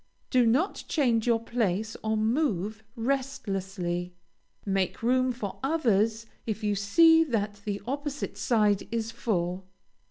Do not change your place or move restlessly. Make room for others if you see that the opposite side is full.